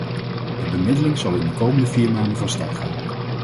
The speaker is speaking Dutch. De bemiddeling zal in de komende vier maanden van start gaan.